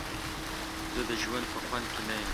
زه د ژوند په خوند کې نه یم.